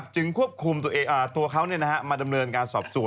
จึงควบคุมตัวเขามาดำเนินการสอบสวน